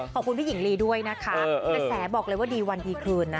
ขอบคุณพี่หญิงลีด้วยนะคะกระแสบอกเลยว่าดีวันดีคืนนะ